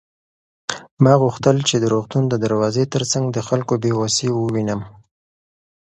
ما غوښتل چې د روغتون د دروازې تر څنګ د خلکو بې وسي ووینم.